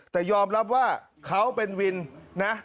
แต่ยอมรับว่าเขาเป็นวินนะ